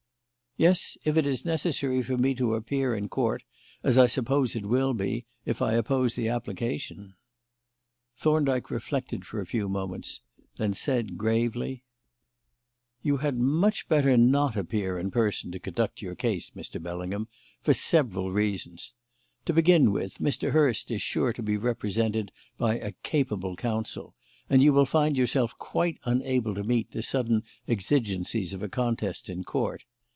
"Yes; if it is necessary for me to appear in Court, as I suppose it will be, if I oppose the application." Thorndyke reflected for a few moments, and then said gravely: "You had much better not appear in person to conduct your case, Mr. Bellingham, for several reasons. To begin with, Mr. Hurst is sure to be represented by a capable counsel, and you will find yourself quite unable to meet the sudden exigencies of a contest in Court.